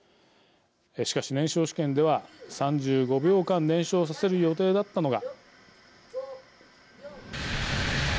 しかし、燃焼試験では３５秒間燃焼させる予定だったのが。